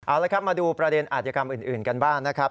เอาละครับมาดูประเด็นอาจยกรรมอื่นกันบ้างนะครับ